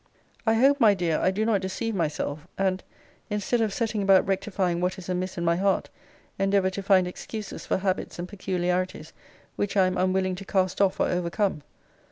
I hope, my dear, I do not deceive myself, and, instead of setting about rectifying what is amiss in my heart, endeavour to find excuses for habits and peculiarities, which I am unwilling to cast off or overcome.